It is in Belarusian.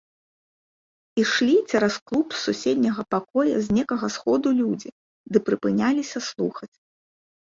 Ішлі цераз клуб з суседняга пакоя з некага сходу людзі ды прыпыняліся слухаць.